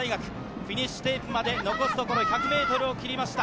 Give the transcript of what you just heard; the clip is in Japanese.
フィニッシュテープまで残すところ１００ｍを切りました。